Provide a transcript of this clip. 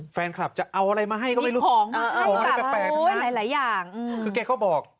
แฟนคลับจะเอาอะไรมาให้ก็ไม่รู้ของได้แปลกนะครับนะครับคือแกเขาบอก